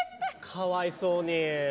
かわいそうに。